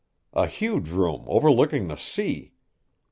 A huge room overlooking the sea!